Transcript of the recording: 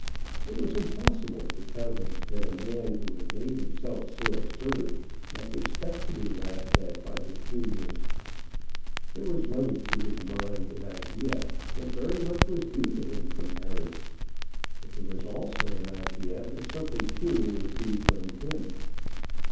It was impossible to tell him that a man who had made himself so absurd must expect to be laughed at by his juniors. There was running through his mind an idea that very much was due to him from Harry; but there was also an idea that something too was due from him.